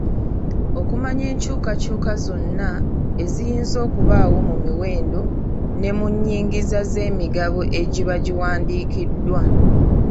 Okumanya enkyukakyuka zonna eziyinza okubaawo mu miwendo ne mu nyingiza z'emigabo egiba giwandiikiddwa.